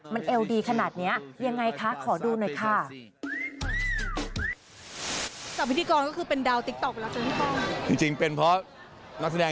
มันเอวดีขนาดนี้ยังไงคะขอดูหน่อยค่ะ